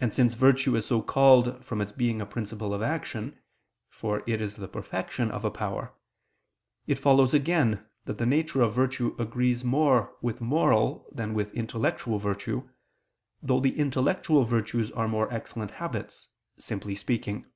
And since virtue is so called from its being a principle of action, for it is the perfection of a power, it follows again that the nature of virtue agrees more with moral than with intellectual virtue, though the intellectual virtues are more excellent habits, simply speaking.